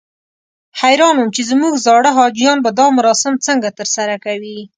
حیران وم چې زموږ زاړه حاجیان به دا مراسم څنګه ترسره کوي.